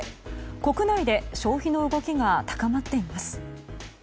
国内で消費の動きが高まっています。